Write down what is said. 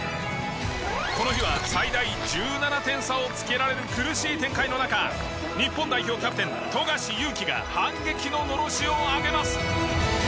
この日は最大１７点差をつけられる苦しい展開の中日本代表キャプテン富樫勇樹が反撃ののろしを上げます。